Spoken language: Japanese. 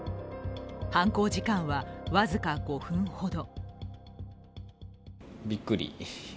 犯行時間はわずか５分ほど。